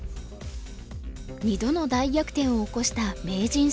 ２度の大逆転を起こした名人戦リーグ。